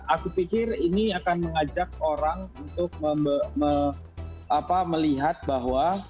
aku pikir ini akan mengajak orang untuk melihat bahwa